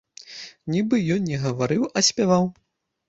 Нібы ён не гаварыў, а спяваў.